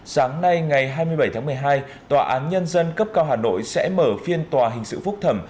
sáng nay ngày hai mươi bảy tháng một mươi hai tòa án nhân dân cấp cao hà nội sẽ mở phiên tòa hình sự phúc thẩm